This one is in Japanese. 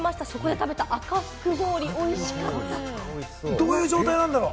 どういう状態なんだろう？